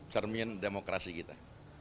cermin demokrasi kita